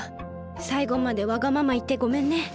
さいごまでわがままいってごめんね。